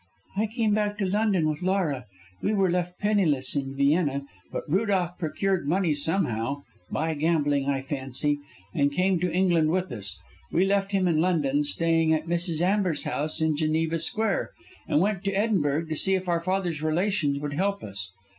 "I came back to London with Laura. We were left penniless in Vienna, but Rudolph procured money somehow by gambling, I fancy, and came to England with us. We left him in London staying at Mrs. Amber's house in Geneva Square, and went to Edinburgh to see if our father's relations would help us.